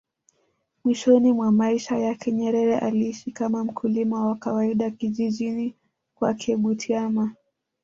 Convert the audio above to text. Mwishoni mwa maisha yake Nyerere aliishi kama mkulima wa kawaida kijijini kwake Butiama